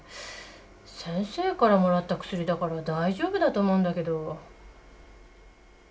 先生からもらった薬だから大丈夫だと思うんだけど。